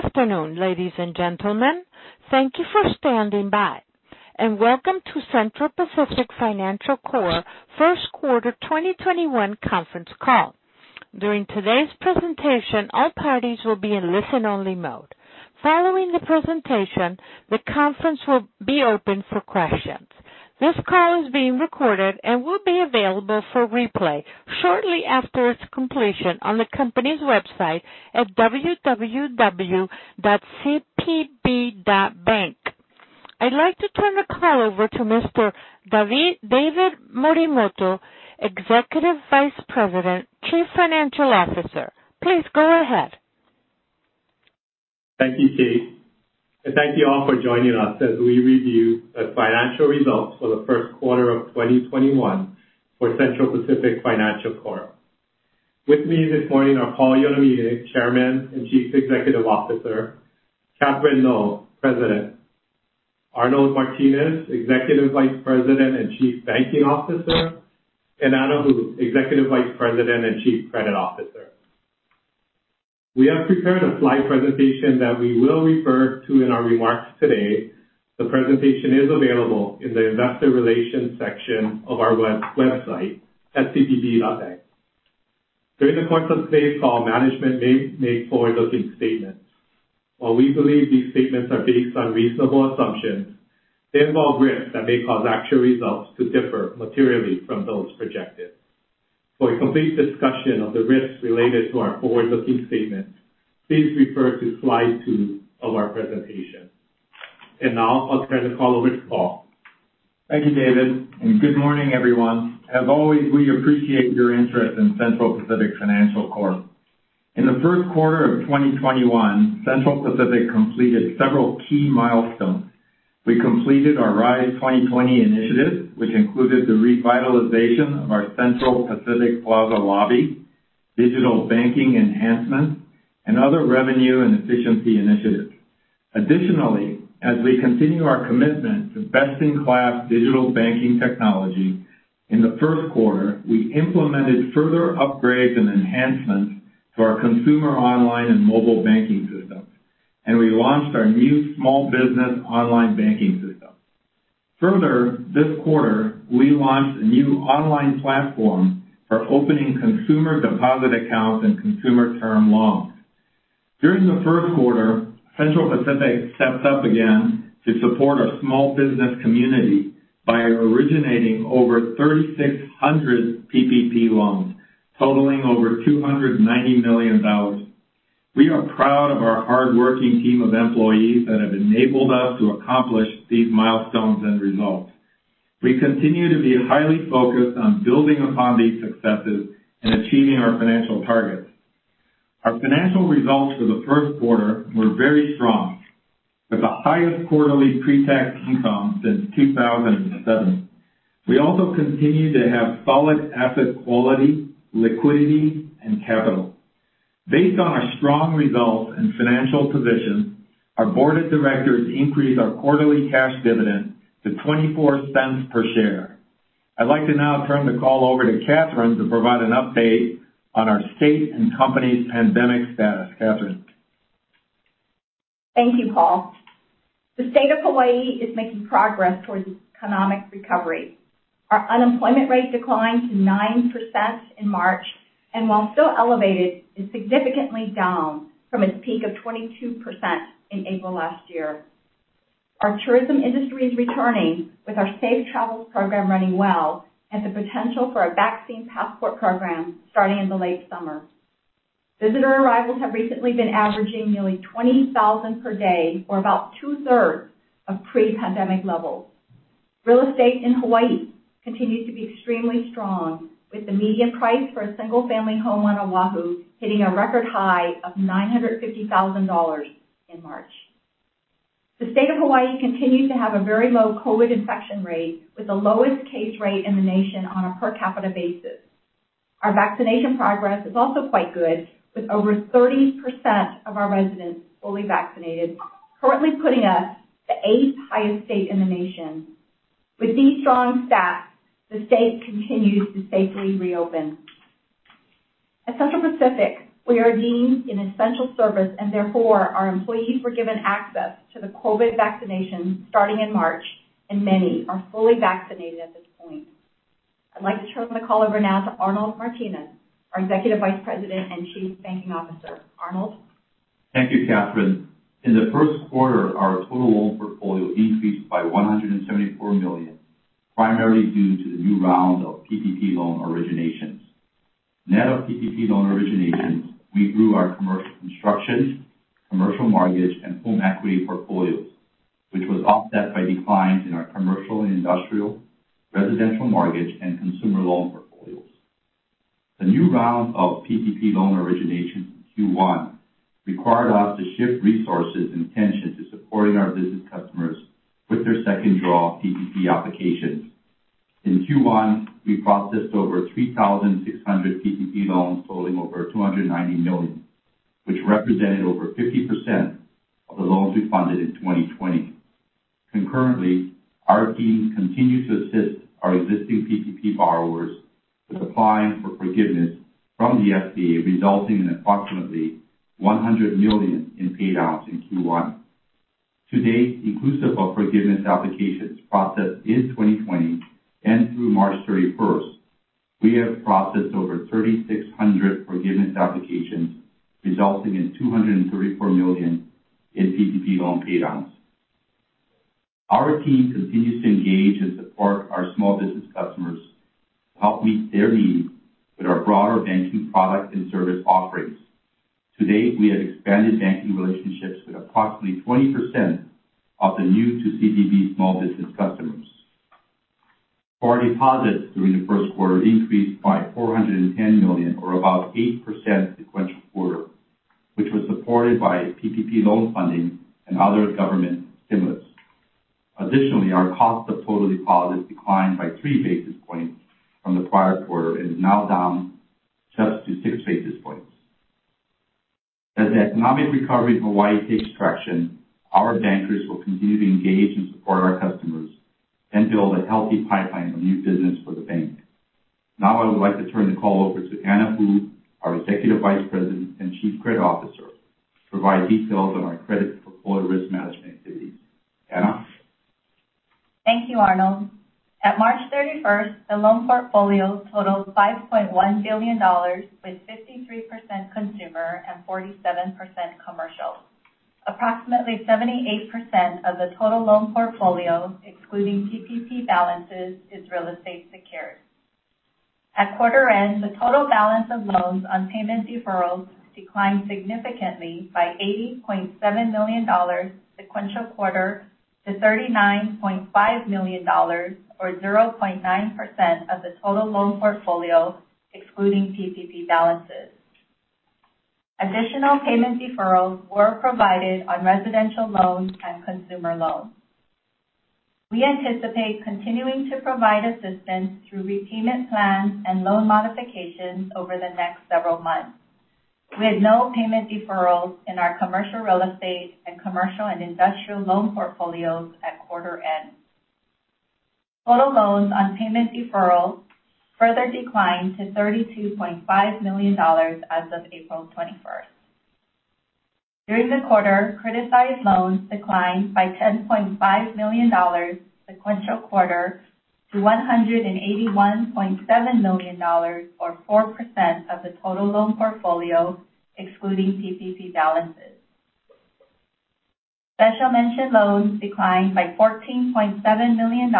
Good afternoon, ladies and gentlemen. Thank you for standing by, and welcome to Central Pacific Financial Corp. First Quarter 2021 conference call. During today's presentation, all parties will be in listen-only mode. Following the presentation, the conference will be open for questions. This call is being recorded and will be available for replay shortly after its completion on the company's website at www.cpb.bank. I'd like to turn the call over to Mr. David Morimoto, Executive Vice President, Chief Financial Officer. Please go ahead. Thank you, Kate, and thank you all for joining us as we review the financial results for the first quarter of 2021 for Central Pacific Financial Corp. With me this morning are Paul Yonamine, Chairman and Chief Executive Officer, Catherine Ngo, President, Arnold Martines, Executive Vice President and Chief Banking Officer, and Anna Hu, Executive Vice President and Chief Credit Officer. We have prepared a slide presentation that we will refer to in our remarks today. The presentation is available in the investor relations section of our website at cpb.bank. During the course of today's call, management may make forward-looking statements. While we believe these statements are based on reasonable assumptions, they involve risks that may cause actual results to differ materially from those projected. For a complete discussion of the risks related to our forward-looking statements, please refer to slide two of our presentation. Now I'll turn the call over to Paul. Thank you, David, good morning, everyone. As always, we appreciate your interest in Central Pacific Financial Corp. In the first quarter of 2021, Central Pacific completed several key milestones. We completed our RISE 2020 initiative, which included the revitalization of our Central Pacific Plaza lobby, digital banking enhancements, and other revenue and efficiency initiatives. Additionally, as we continue our commitment to best-in-class digital banking technology, in the first quarter, we implemented further upgrades and enhancements to our consumer online and mobile banking systems, and we launched our new small business online banking system. Further, this quarter, we launched a new online platform for opening consumer deposit accounts and consumer term loans. During the first quarter, Central Pacific stepped up again to support our small business community by originating over 3,600 PPP loans, totaling over $290 million. We are proud of our hardworking team of employees that have enabled us to accomplish these milestones and results. We continue to be highly focused on building upon these successes and achieving our financial targets. Our financial results for the first quarter were very strong, with the highest quarterly pre-tax income since 2007. We also continue to have solid asset quality, liquidity, and capital. Based on our strong results and financial position, our board of directors increased our quarterly cash dividend to $0.24 per share. I'd like to now turn the call over to Catherine to provide an update on our state and company's pandemic status. Catherine. Thank you, Paul. The state of Hawaii is making progress towards economic recovery. Our unemployment rate declined to 9% in March, and while still elevated, is significantly down from its peak of 22% in April last year. Our tourism industry is returning with our Safe Travels program running well and the potential for a vaccine passport program starting in the late summer. Visitor arrivals have recently been averaging nearly 20,000 per day, or about two-thirds of pre-pandemic levels. Real estate in Hawaii continues to be extremely strong, with the median price for a single-family home on Oahu hitting a record high of $950,000 in March. The state of Hawaii continues to have a very low COVID infection rate, with the lowest case rate in the nation on a per capita basis. Our vaccination progress is also quite good, with over 30% of our residents fully vaccinated, currently putting us the eighth highest state in the nation. With these strong stats, the state continues to safely reopen. At Central Pacific, we are deemed an essential service, and therefore, our employees were given access to the COVID vaccination starting in March, and many are fully vaccinated at this point. I'd like to turn the call over now to Arnold Martines, our Executive Vice President and Chief Banking Officer. Arnold. Thank you, Catherine. In the first quarter, our total loan portfolio increased by $174 million, primarily due to the new round of PPP loan originations. Net of PPP loan originations, we grew our commercial constructions, commercial mortgage, and home equity portfolios, which was offset by declines in our commercial and industrial, residential mortgage, and consumer loan portfolios. The new round of PPP loan originations in Q1 required us to shift resources and attention to supporting our business customers with their second draw PPP applications. In Q1, we processed over 3,600 PPP loans totaling over $290 million, which represented over 50% of the loans we funded in 2020. Concurrently, our team continues to assist our existing PPP borrowers with applying for forgiveness from the SBA, resulting in approximately $100 million in paydowns in Q1. To date, inclusive of forgiveness applications processed in 2020 and through March 31st, we have processed over 3,600 forgiveness applications, resulting in $234 million in PPP loan paydowns. Our team continues to engage and support our small business customers to help meet their needs with our broader banking product and service offerings. To date, we have expanded banking relationships with approximately 20% of the new to CPB small business customers. Our deposits during the first quarter increased by $410 million, or about 8% sequential quarter, which was supported by PPP loan funding and other government stimulus. Additionally, our cost of total deposits declined by 3 basis points from the prior quarter and is now down just to 6 basis points. As the economic recovery in Hawaii takes traction, our bankers will continue to engage and support our customers and build a healthy pipeline of new business for the bank. I would like to turn the call over to Anna Hu, our Executive Vice President and Chief Credit Officer, to provide details on our credit portfolio risk management activities. Anna? Thank you, Arnold. At March 31st, the loan portfolio totaled $5.1 billion, with 53% consumer and 47% commercial. Approximately 78% of the total loan portfolio, excluding PPP balances, is real estate secured. At quarter end, the total balance of loans on payment deferrals declined significantly by $80.7 million sequential quarter to $39.5 million, or 0.9% of the total loan portfolio, excluding PPP balances. Additional payment deferrals were provided on residential loans and consumer loans. We anticipate continuing to provide assistance through repayment plans and loan modifications over the next several months. We had no payment deferrals in our commercial real estate and commercial and industrial loan portfolios at quarter end. Total loans on payment deferrals further declined to $32.5 million as of April 21st. During the quarter, criticized loans declined by $10.5 million sequential quarter to $181.7 million, or 4% of the total loan portfolio, excluding PPP balances. Special mention loans declined by $14.7 million-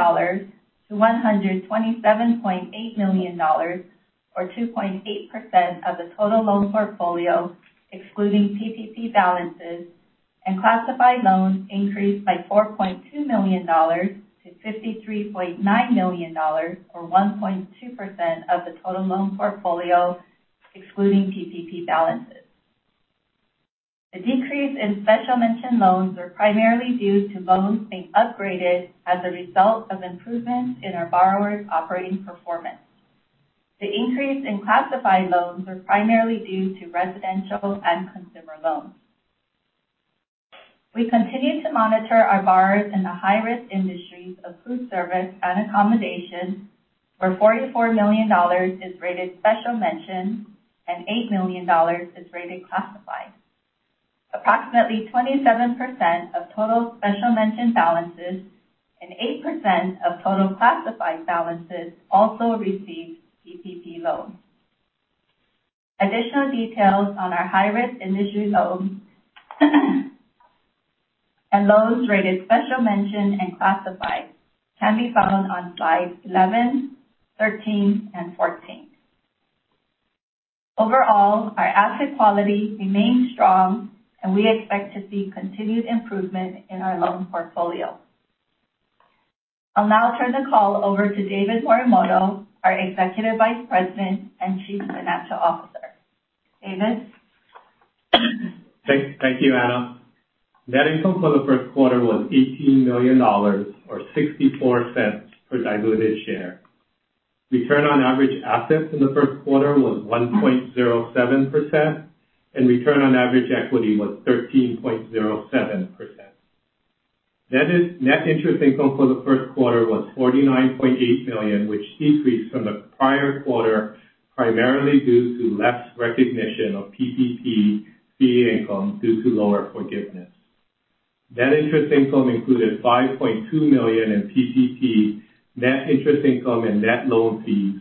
$127.8 million, or 2.8% of the total loan portfolio, excluding PPP balances. Classified loans increased by $4.2 million - $53.9 million, or 1.2% of the total loan portfolio, excluding PPP balances. The decrease in special mention loans is primarily due to loans being upgraded as a result of improvements in our borrowers' operating performance. The increase in classified loans is primarily due to residential and consumer loans. We continue to monitor our borrowers in the high-risk industries of food service and accommodation, where $44 million is rated special mention and $8 million is rated classified. Approximately 27% of total special mention balances and 8% of total classified balances also received PPP loans. Additional details on our high-risk industry loans and loans rated special mention and classified can be found on slides 11, 13, and 14. Overall, our asset quality remains strong, and we expect to see continued improvement in our loan portfolio. I'll now turn the call over to David Morimoto, our Executive Vice President and Chief Financial Officer. David? Thank you, Anna. Net income for the first quarter was $18 million, or $0.64 per diluted share. Return on average assets in the first quarter was 1.07%, and return on average equity was 13.07%. Net interest income for the first quarter was $49.8 million, which decreased from the prior quarter, primarily due to less recognition of PPP fee income due to lower forgiveness. Net interest income included $5.2 million in PPP net interest income and net loan fees,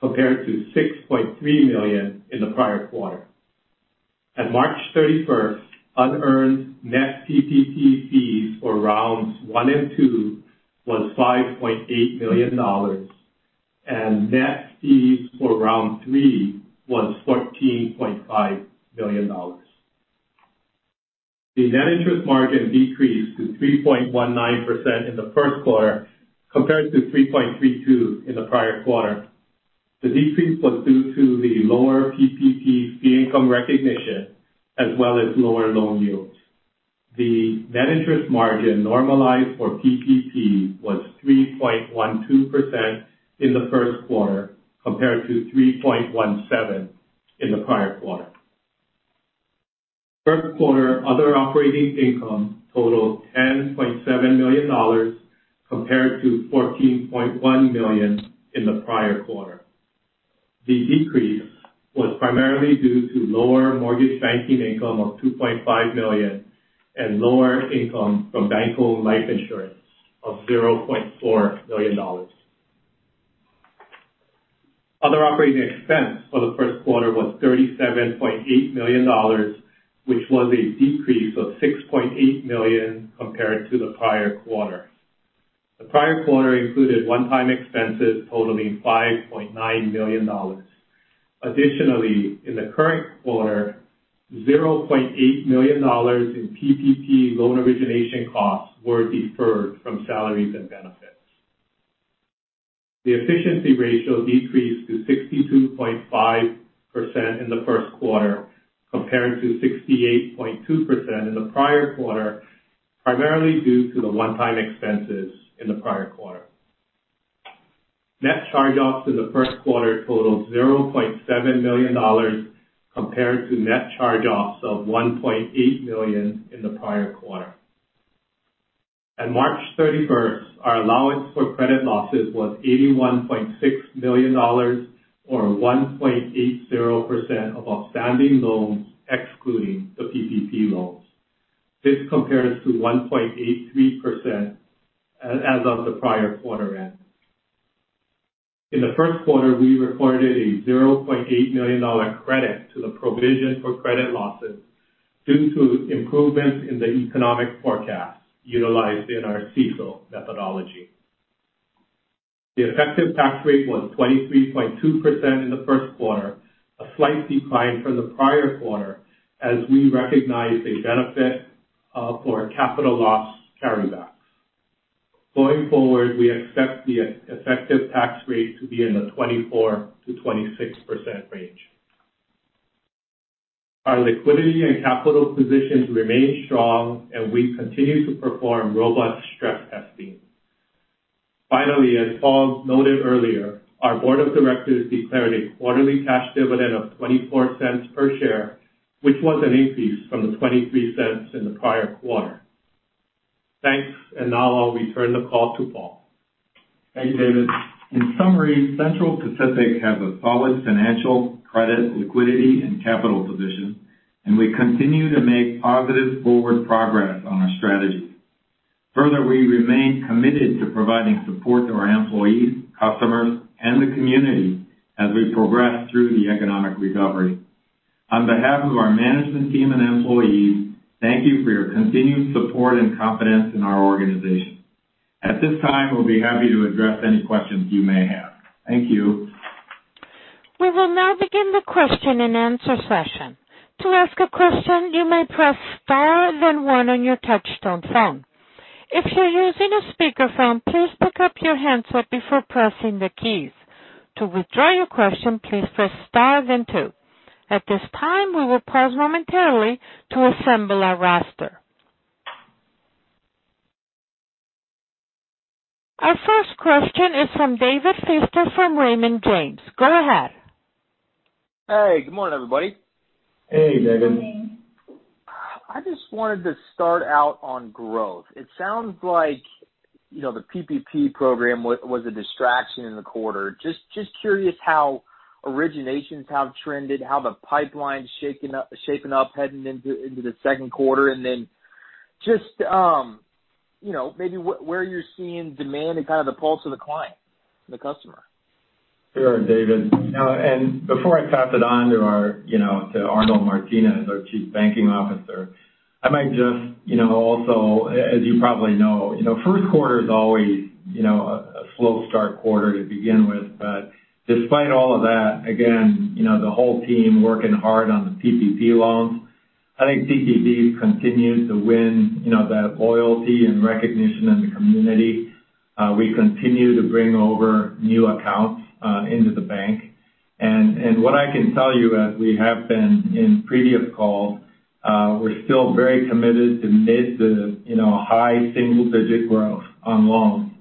compared to $6.3 million in the prior quarter. At March 31st, unearned net PPP fees for Rounds One and Two was $5.8 million, and net fees for Round Three was $14.5 million. The net interest margin decreased to 3.19% in the first quarter, compared to 3.32% in the prior quarter. The decrease was due to the lower PPP fee income recognition, as well as lower loan yields. The net interest margin normalized for PPP was 3.12% in the first quarter, compared to 3.17% in the prior quarter. First quarter other operating income totaled $10.7 million compared to $14.1 million in the prior quarter. The decrease was primarily due to lower mortgage banking income of $2.5 million and lower income from bank-owned life insurance of $0.4 million. Other operating expense for the first quarter was $37.8 million, which was a decrease of $6.8 million compared to the prior quarter. The prior quarter included one-time expenses totaling $5.9 million. Additionally, in the current quarter, $0.8 million in PPP loan origination costs were deferred from salaries and benefits. The efficiency ratio decreased to 62.5% in the first quarter, compared to 68.2% in the prior quarter, primarily due to the one-time expenses in the prior quarter. Net charge-offs in the first quarter totaled $0.7 million compared to net charge-offs of $1.8 million in the prior quarter. At March 31st, our allowance for credit losses was $81.6 million, or 1.80% of outstanding loans, excluding the PPP loans. This compares to 1.83% as of the prior quarter end. In the first quarter, we recorded a $0.8 million credit to the provision for credit losses due to improvements in the economic forecast utilized in our CECL methodology. The effective tax rate was 23.2% in the first quarter, a slight decline from the prior quarter as we recognized a benefit for capital loss carrybacks. Going forward, we expect the effective tax rate to be in the 24%-26% range. Our liquidity and capital positions remain strong, and we continue to perform robust stress testing. Finally, as Paul noted earlier, our board of directors declared a quarterly cash dividend of $0.24 per share, which was an increase from the $0.23 in the prior quarter. Thanks. Now I'll return the call to Paul. Thank you, David. In summary, Central Pacific has a solid financial credit, liquidity, and capital position, and we continue to make positive forward progress on our strategy. Further, we remain committed to providing support to our employees, customers, and the community as we progress through the economic recovery. On behalf of our management team and employees, thank you for your continued support and confidence in our organization. At this time, we'll be happy to address any questions you may have. Thank you. We will now begin the question-and-answer session. To ask a question, you may press star then one on your touchtone phone. If you're using a speakerphone, please pick up your handset before pressing the keys. To withdraw your question, please press star then two. At this time, we will pause momentarily to assemble our roster. Our first question is from David Feaster from Raymond James. Go ahead. Hey, good morning, everybody. Hey, David. Good morning. I just wanted to start out on growth. It sounds like the PPP program was a distraction in the quarter. Just curious how originations have trended, how the pipeline's shaping up heading into the second quarter, just maybe where you're seeing demand and kind of the pulse of the client, the customer? Sure, David. Before I pass it on to Arnold Martines, our chief banking officer, I might just also, as you probably know, first quarter is always a slow start quarter to begin with. Despite all of that, again, the whole team working hard on the PPP loans. I think PPP continues to win that loyalty and recognition in the community. We continue to bring over new accounts into the bank. What I can tell you, as we have been in previous calls, we're still very committed to mid to high single digit growth on loans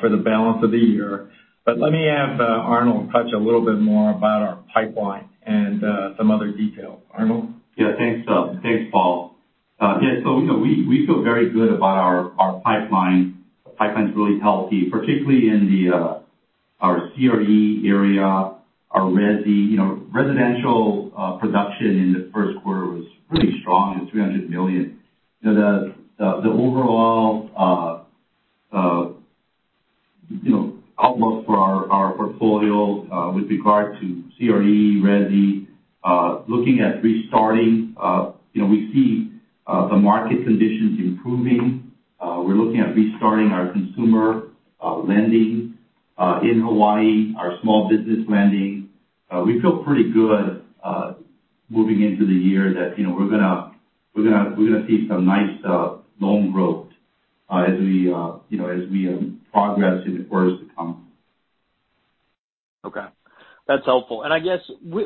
for the balance of the year. Let me have Arnold touch a little bit more about our pipeline and some other details. Arnold? Yeah. Thanks, Paul. Yeah, we feel very good about our pipeline. Pipeline's really healthy, particularly in our CRE area, our resi. Residential production in the first quarter was pretty strong at $300 million. The overall outlook for our portfolio with regard to CRE, resi looking at restarting. We see the market conditions improving. We're looking at restarting our consumer lending in Hawaii, our small business lending. We feel pretty good moving into the year that we're going to see some nice loan growth as we progress in the quarters to come. Okay. That's helpful. I guess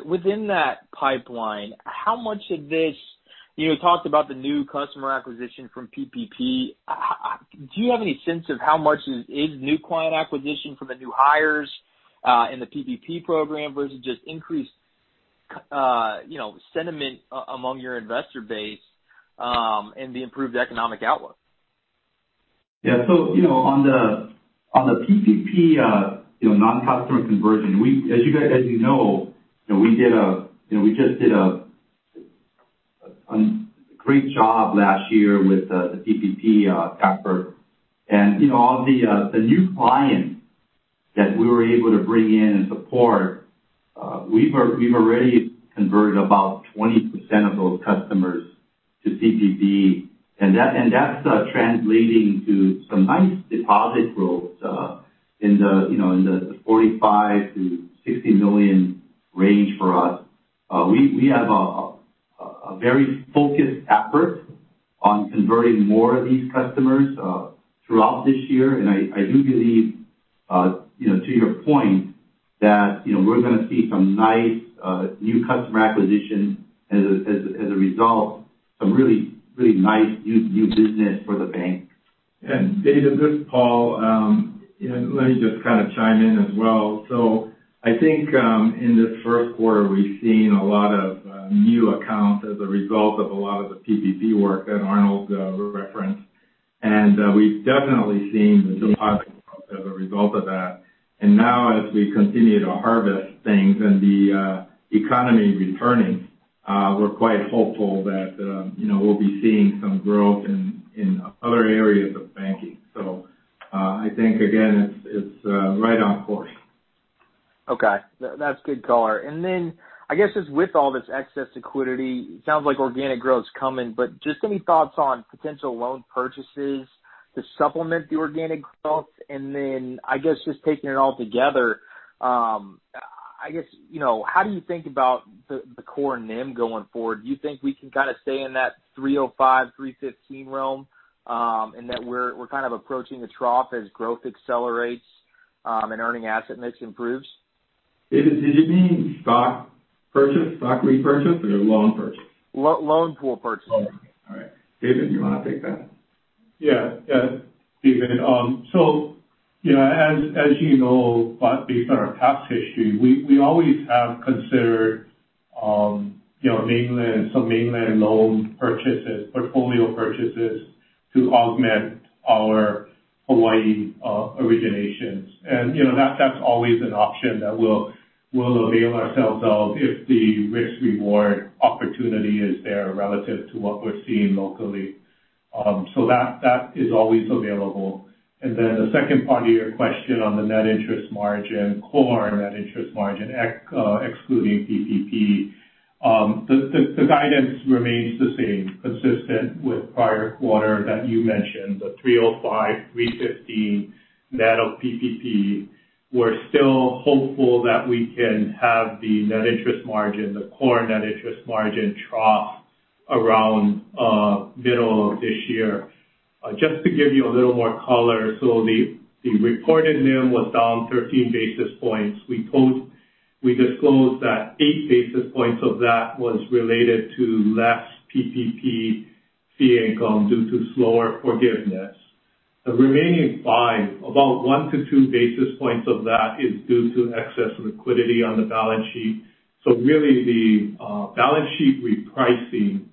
within that pipeline, you talked about the new customer acquisition from PPP. Do you have any sense of how much is new client acquisition from the new hires? In the PPP program versus just increased sentiment among your investor base and the improved economic outlook. Yeah. On the PPP non-customer conversion, as you know, we just did a great job last year with the PPP effort. All the new clients that we were able to bring in and support, we've already converted about 20% of those customers to PPP, that's translating to some nice deposit growth in the $45 million-$60 million range for us. We have a very focused effort on converting more of these customers throughout this year. I do believe, to your point, that we're going to see some nice new customer acquisition as a result, some really nice new business for the bank. David, this is Paul Yonamine. Let me just chime in as well. I think in this first quarter, we've seen a lot of new accounts as a result of a lot of the PPP work that Arnold Martines referenced. We've definitely seen the deposit growth as a result of that. Now, as we continue to harvest things and the economy returning, we're quite hopeful that we'll be seeing some growth in other areas of banking. I think, again, it's right on course. Okay. That's good color. I guess just with all this excess liquidity, it sounds like organic growth's coming, but just any thoughts on potential loan purchases to supplement the organic growth? I guess, just taking it all together, how do you think about the core NIM going forward? Do you think we can kind of stay in that 305, 315 realm, and that we're kind of approaching a trough as growth accelerates and earning asset mix improves? David, did you mean stock repurchase or loan purchase? Loan pool purchase. Okay. All right. David, you want to take that? Yeah. David. As you know, based on our past history, we always have considered some mainland loan purchases, portfolio purchases, to augment our Hawaii originations. That's always an option that we'll avail ourselves of if the risk-reward opportunity is there relative to what we're seeing locally. That is always available. The second part of your question on the net interest margin, core net interest margin, excluding PPP. The guidance remains the same, consistent with prior quarter that you mentioned, the 3.05%-3.15% net of PPP. We're still hopeful that we can have the net interest margin, the core net interest margin trough around middle of this year. Just to give you a little more color, the reported NIM was down 13 basis points. We disclosed that eight basis points of that was related to less PPP fee income due to slower forgiveness. The remaining five, about one to two basis points of that is due to excess liquidity on the balance sheet. Really the balance sheet repricing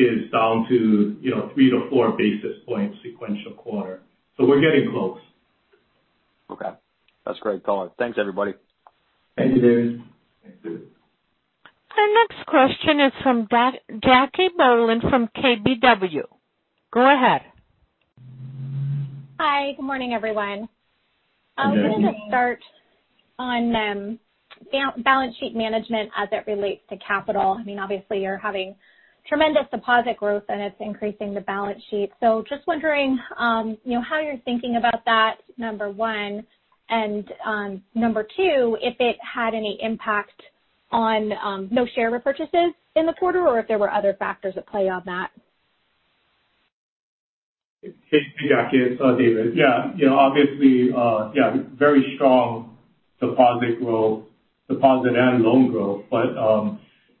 is down to three to four basis points sequential quarter. We're getting close. Okay. That's great color. Thanks, everybody. Thank you, David. Thanks, David. Our next question is from Jacquelynne Bohlen from KBW. Go ahead. Hi. Good morning, everyone. Good morning. I'm going to start on balance sheet management as it relates to capital. I mean, obviously you're having tremendous deposit growth, and it's increasing the balance sheet. Just wondering how you're thinking about that, number one, and number two, if it had any impact on no share repurchases in the quarter or if there were other factors at play on that. Hey, Jackie. It's David. Obviously, very strong deposit growth, deposit and loan growth.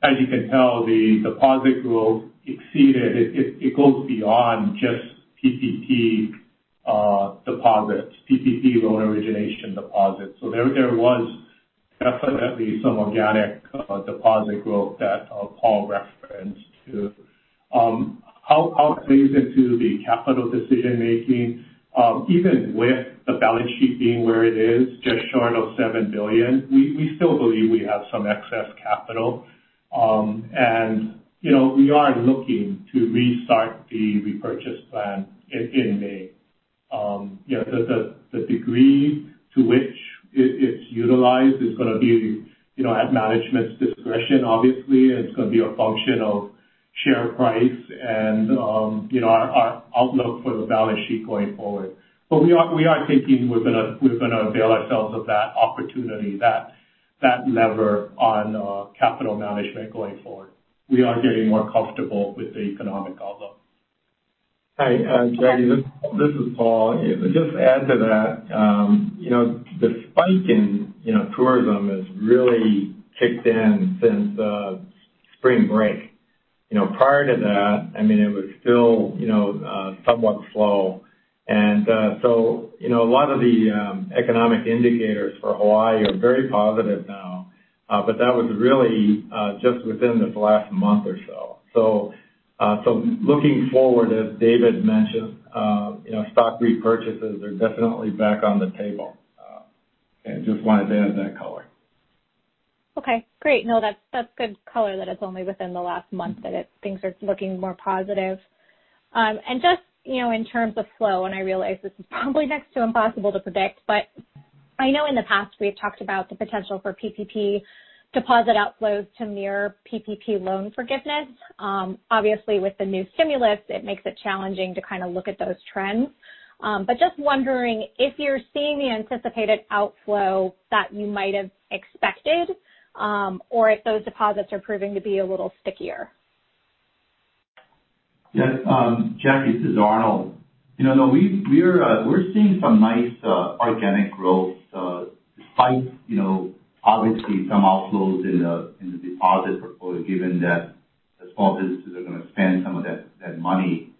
As you can tell, the deposit growth, it goes beyond just PPP deposits, PPP loan origination deposits. There was definitely some organic deposit growth that Paul referenced too. How it plays into the capital decision making, even with the balance sheet being where it is, just short of $7 billion, we still believe we have some excess capital. We are looking to restart the repurchase plan in May. The degree to which it's utilized is going to be at management's discretion, obviously. It's going to be a function of share price and our outlook for the balance sheet going forward. We are thinking we're going to avail ourselves of that opportunity, that lever on capital management going forward. We are getting more comfortable with the economic outlook. Hi, Jackie, this is Paul. Just to add to that, the spike in tourism has really kicked in since spring break. Prior to that, it was still somewhat slow. A lot of the economic indicators for Hawaii are very positive now. That was really just within this last month or so. Looking forward, as David mentioned, stock repurchases are definitely back on the table. I just wanted to add that color. Okay, great. No, that's good color that it's only within the last month that things are looking more positive. Just in terms of flow, and I realize this is probably next to impossible to predict, but I know in the past we've talked about the potential for PPP deposit outflows to mirror PPP loan forgiveness. Obviously with the new stimulus, it makes it challenging to look at those trends. Just wondering if you're seeing the anticipated outflow that you might've expected, or if those deposits are proving to be a little stickier. Yes. Jackie, this is Arnold. We're seeing some nice organic growth despite obviously some outflows in the deposit portfolio, given that the small businesses are going to spend some of that money.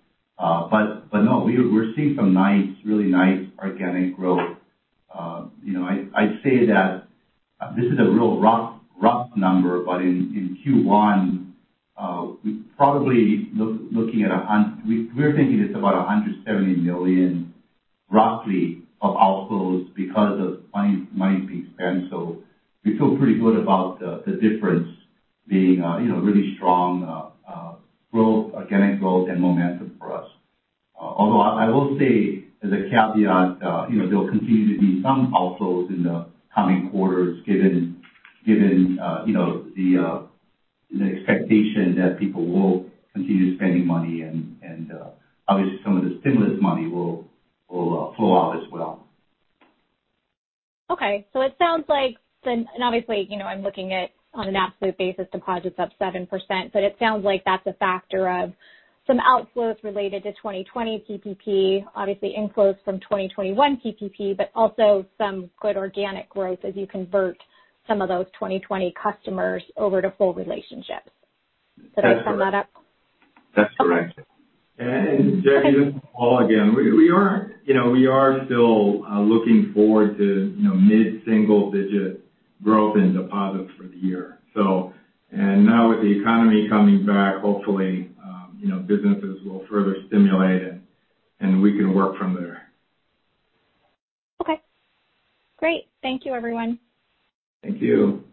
No, we're seeing some really nice organic growth. I'd say that this is a real rough number, but in Q1, we're thinking it's about $170 million roughly of outflows because of money being spent. We feel pretty good about the difference being really strong growth, organic growth and momentum for us. Although I will say as a caveat there'll continue to be some outflows in the coming quarters given the expectation that people will continue spending money and obviously some of the stimulus money will flow out as well. Okay. It sounds like, obviously, I'm looking at on an absolute basis, deposits up 7%, but it sounds like that's a factor of some outflows related to 2020 PPP, obviously inflows from 2021 PPP, but also some good organic growth as you convert some of those 2020 customers over to full relationships. Did I sum that up? That's correct. Jackie, this is Paul again. We are still looking forward to mid-single digit growth in deposits for the year. Now with the economy coming back, hopefully businesses will further stimulate and we can work from there. Okay, great. Thank you everyone. Thank you.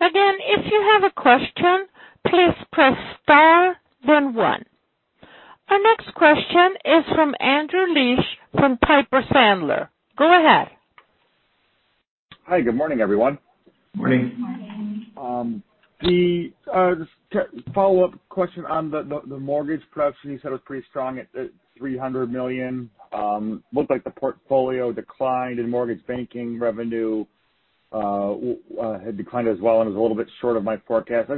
Again, if you have a question, please press star then one. Our next question is from Andrew Liesch from Piper Sandler. Go ahead. Hi. Good morning, everyone. Morning. Morning. The follow-up question on the mortgage production you said was pretty strong at $300 million. Looked like the portfolio declined and mortgage banking revenue had declined as well and was a little bit short of my forecast.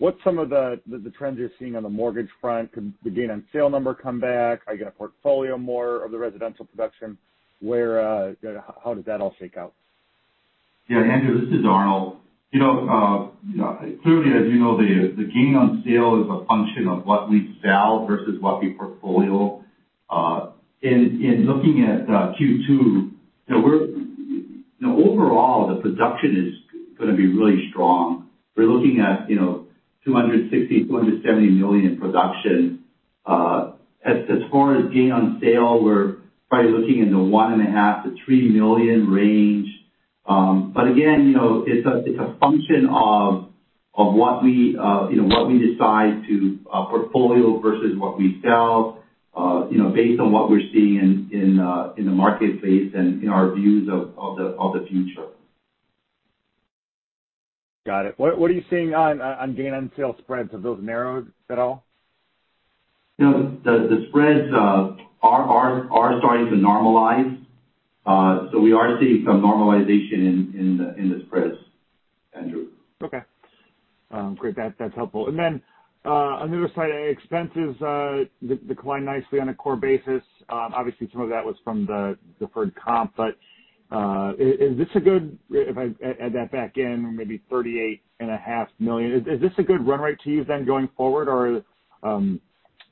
What's some of the trends you're seeing on the mortgage front? Could the gain on sale number come back? Are you going to portfolio more of the residential production? How does that all shake out? Yeah, Andrew, this is Arnold. Clearly as you know, the gain on sale is a function of what we sell versus what we portfolio. In looking at Q2, overall the production is going to be really strong. We're looking at $260 million-$270 million production. As far as gain on sale, we're probably looking in the one and a half to three million range. Again, it's a function of what we decide to portfolio versus what we sell based on what we're seeing in the marketplace and in our views of the future. Got it. What are you seeing on gain on sale spreads? Have those narrowed at all? No, the spreads are starting to normalize. We are seeing some normalization in the spreads, Andrew. Okay. Great. That's helpful. On the other side, expenses declined nicely on a core basis. Obviously some of that was from the deferred comp, if I add that back in, maybe $38.5 million, is this a good run rate to you going forward? Do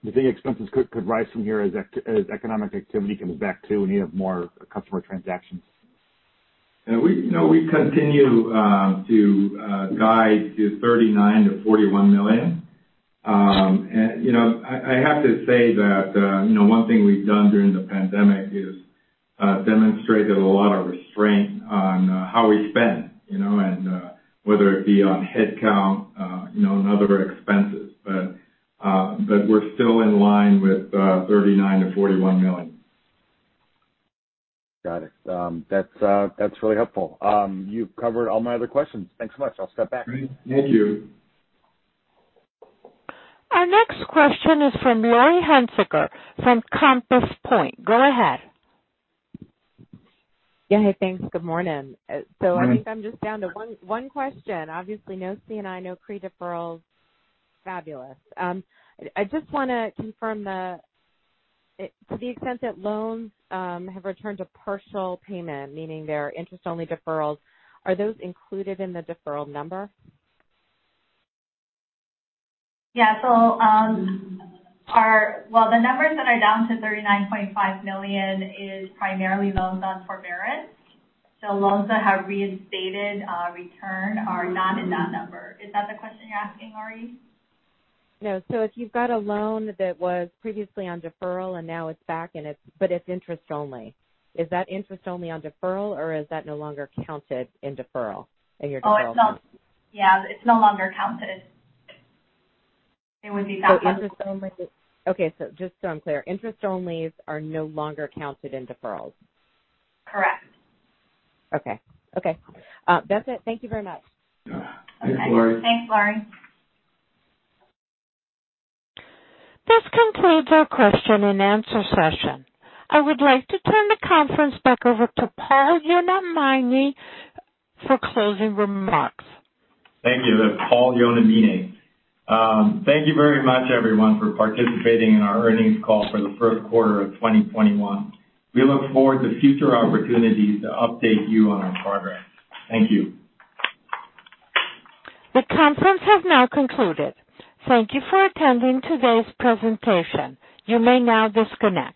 you think expenses could rise from here as economic activity comes back too, and you have more customer transactions? We continue to guide to $39 million-$41 million. I have to say that one thing we've done during the pandemic is demonstrated a lot of restraint on how we spend, and whether it be on headcount and other expenses. We're still in line with $39 million-$41 million. Got it. That's really helpful. You've covered all my other questions. Thanks so much. I'll step back. Great. Thank you. Our next question is from Laurie Hunsicker from Compass Point. Go ahead. Yeah. Hey, thanks. Good morning. Morning. I think I'm just down to one question. Obviously no C&I, no CRE deferrals. Fabulous. I just want to confirm that to the extent that loans have returned to partial payment, meaning they're interest-only deferrals, are those included in the deferral number? Yeah. Well, the numbers that are down to $39.5 million is primarily loans on forbearance. Loans that have reinstated return are not in that number. Is that the question you're asking, Laurie? No. If you've got a loan that was previously on deferral and now it's back but it's interest only, is that interest only on deferral, or is that no longer counted in deferral, in your deferral count? Yeah. It's no longer counted. Okay, just so I'm clear, interest onlys are no longer counted in deferrals? Correct. Okay. Okay. That's it. Thank you very much. Yeah. Thanks, Laurie. Thanks, Laurie. This concludes our question-and-answer session. I would like to turn the conference back over to Paul Yonamine for closing remarks. Thank you. That's Paul Yonamine. Thank you very much everyone for participating in our earnings call for the first quarter of 2021. We look forward to future opportunities to update you on our progress. Thank you. The conference has now concluded. Thank you for attending today's presentation. You may now disconnect.